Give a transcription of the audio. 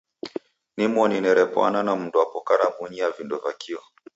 Nimoni nerepwana na mndwapo karamunyi ya vindo va kio.